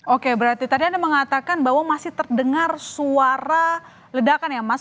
oke berarti tadi anda mengatakan bahwa masih terdengar suara ledakan ya mas